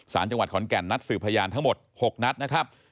สารจังหวัดขอนแก่นนัดสืบพยานทั้งหมด๖นัดนะครับ